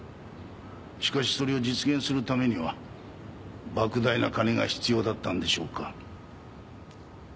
しかしそれを実現するためには莫大な金が必要だったんでしょうか？